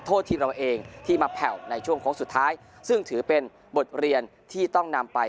ทีมเราเองที่มาแผ่วในช่วงโค้งสุดท้ายซึ่งถือเป็นบทเรียนที่ต้องนำไป